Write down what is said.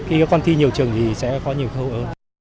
khi con thi nhiều trường thì sẽ có nhiều khâu ơ